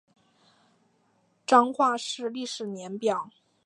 彰化市历史年表